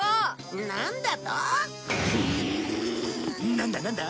なんだなんだ？